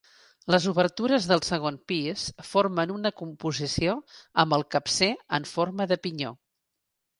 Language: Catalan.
Les obertures del segon pis formen una composició amb el capcer en forma de pinyó.